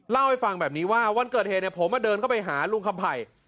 เล่าให้ฟังแบบนี้ว่าวันเกิดเหตุผมเดินเข้าไปหาลุงคำไผ่